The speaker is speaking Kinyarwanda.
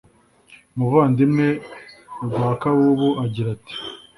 umuvandimwe rwakabubu agira ati